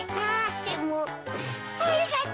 でもありがと。